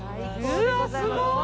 うわすごい！